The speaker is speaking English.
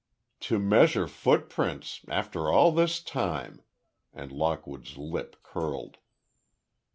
"To measure footprints—after all this time!" and Lockwood's lip curled.